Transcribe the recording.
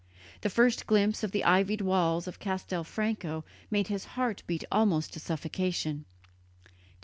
The first glimpse of the ivied walls of Castelfranco made his heart beat almost to suffocation.